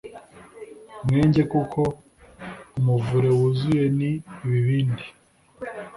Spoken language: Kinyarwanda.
mwenge kuko umuvure wuzuye n ibibindi